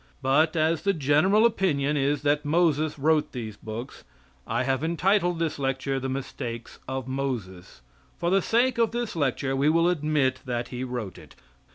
But as the general opinion is that Moses wrote these books, I have entitled this lecture "The Mistakes of Moses." For the sake of this lecture, we will admit that he wrote it.